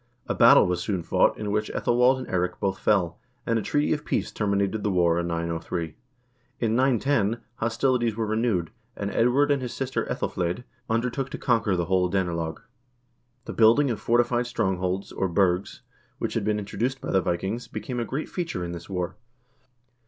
A battle was soon fought, in which ^Ethelwald and Eirik both fell, and a treaty of peace terminated the war in 903. In 910 hostilities were renewed, and Edward and his sister vEthelflaed undertook to conquer the whole Danelag. The building of fortified strongholds, or burghs, which had been introduced by the Vikings, became a great feature in this war.